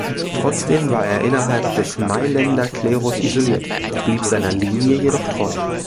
Trotzdem war er innerhalb des Mailänder Klerus isoliert, blieb seiner Linie jedoch treu.